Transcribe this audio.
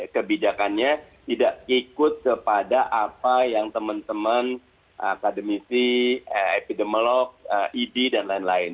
kebijakannya tidak ikut kepada apa yang teman teman akademisi epidemiolog idi dan lain lain